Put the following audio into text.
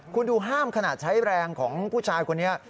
คุณดูห้ามขนาดใช้แรงของผู้ชายคนนี้